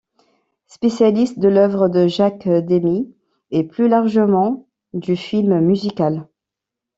Spécialiste de l'œuvre de Jacques Demy, et plus largement du film musical.